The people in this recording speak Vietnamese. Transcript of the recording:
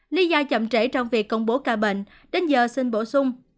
lý do chậm trễ trong việc công bố ca bệnh đến giờ xin bổ sung